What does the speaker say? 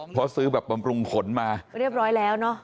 เพราะซื้อแบบบำรุงขนมาเรียบร้อยแล้วเนอะ